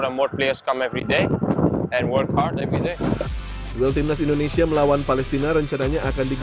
dan senang mereka mengorganisasi kamp pelatihan sebelum dua pertandingan penting